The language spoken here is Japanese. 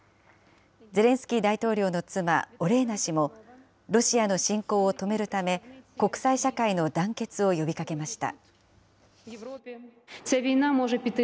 ゼレンスキー大統領の妻、オレーナ氏も、ロシアの侵攻を止めるため、国際社会の団結を呼びかけました。